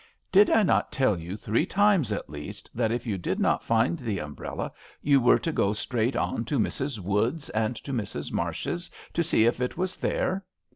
" Did I not tell you three times at least that if you did not find the umbrella you were to go straight on to Mrs. Wood's and to Mrs. Marsh's to see if it was there